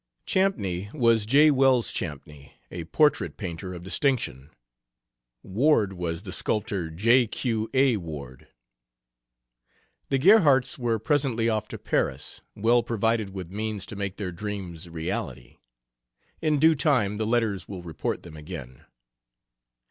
Champney was J. Wells Champney, a portrait painter of distinction; Ward was the sculptor, J. Q. A. Ward. The Gerhardts were presently off to Paris, well provided with means to make their dreams reality; in due time the letters will report them again.